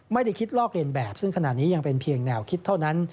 ไม่ได้คิดลอกเรียนแบบซึ่งขณะนี้ยังเป็นเพียงแนวคิดเท่านั้น